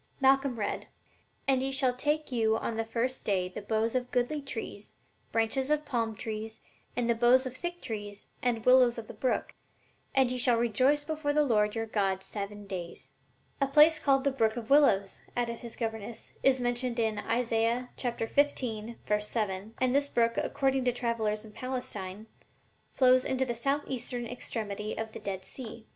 Malcolm read: "'And ye shall take you on the first day the boughs of goodly trees, branches of palm trees, and the boughs of thick trees, and willows of the brook; and ye shall rejoice before the Lord your God seven days.'" [Illustration: LEAF OF WEEPING WILLOW.] "A place called the 'brook of the willows,'" added his governess, "is mentioned in Isaiah xv. 7, and this brook, according to travelers in Palestine, flows into the south eastern extremity of the Dead Sea.